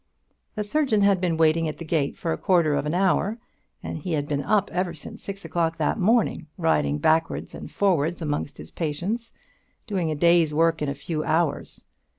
The surgeon had been waiting at the gate for a quarter of an hour, and he had been up ever since six o'clock that morning, riding backwards and forwards amongst his patients, doing a day's work in a few hours.